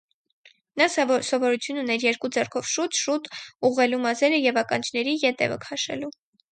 Նա սովորություն ուներ երկու ձեռքով շուտ-շուտ ուղղելու մազերը և ականջների ետևը քաշելու: